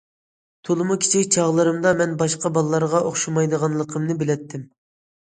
تولىمۇ كىچىك چاغلىرىمدىلا، مەن باشقا بالىلارغا ئوخشىمايدىغانلىقىمنى بىلەتتىم.